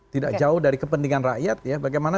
tidak jauh dari kepentingan rakyat ya bagaimana